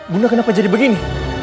bunda kenapa jadi begini